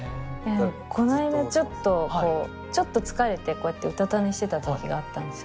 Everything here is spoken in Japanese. この間ちょっとちょっと疲れてこうやってうたた寝してたときがあったんですよ